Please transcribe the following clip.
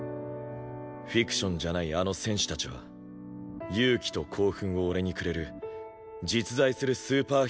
フィクションじゃないあの選手たちは勇気と興奮を俺にくれる実在するスーパーヒーローだった。